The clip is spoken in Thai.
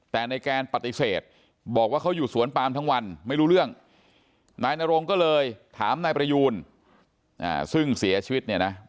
แต่นายแกนปฏิเสธบอกว่าเขาอยู่สวนปามทั้งวันไม่รู้เรื่องนายนรงก็เลยถามนายประยูนซึ่งเสียชีวิตเนี่ยนะ